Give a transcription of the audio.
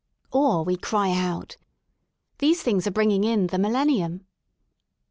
Or we cry out: These things are bringing in the millennium.